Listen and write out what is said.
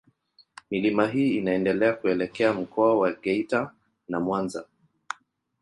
Milima hii inaendelea kuelekea Mkoa wa Geita na Mwanza.